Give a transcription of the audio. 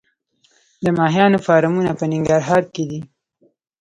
د ماهیانو فارمونه په ننګرهار کې دي